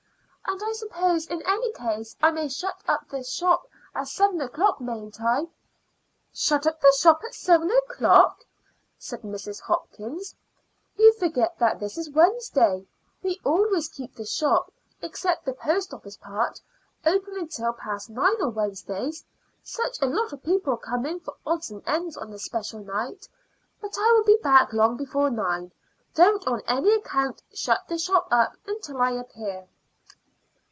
"And I suppose in any case I may shut up the shop at seven o'clock, mayn't I?" "Shut the shop at seven o'clock!" said Mrs. Hopkins. "You forget that this is Wednesday. We always keep the shop, except the post office part, open until past nine on Wednesdays; such a lot of people come in for odds and ends on this special night. But I will be back long before nine. Don't on any account shut the shop until I appear."